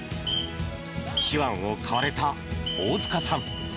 手腕を買われた大塚さん